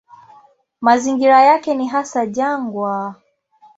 Mazingira yake ni hasa jangwa.